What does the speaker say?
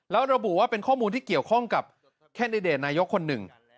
แล้วระบุว่าเป็นข้อมูลที่เกี่ยวข้องกับแคนดิเดตนายกคนหนึ่ง